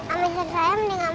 amistri saya mendingan